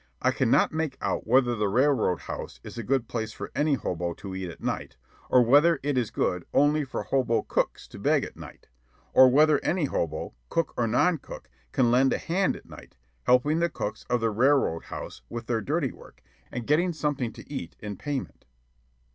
I cannot make out whether the Railroad House is a good place for any hobo to beg at night, or whether it is good only for hobo cooks to beg at night, or whether any hobo, cook or non cook, can lend a hand at night, helping the cooks of the Railroad House with their dirty work and getting something to eat in payment.